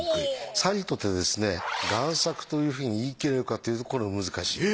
さりとてですね贋作というふうに言い切れるかというとこれも難しい。